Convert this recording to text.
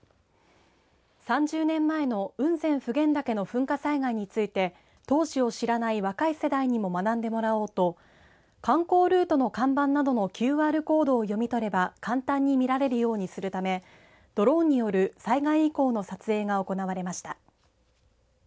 ３０年前の雲仙・普賢岳の噴火災害について当時を知らない若い世代にも学んでもらおうと観光ルートの看板などのＱＲコードを読み取れば簡単に見られるようにするためドローンによる災害遺構の撮影が行われました。